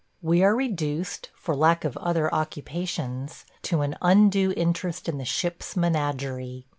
We are reduced, for lack of other occupations, to an undue interest in the ship's menagerie.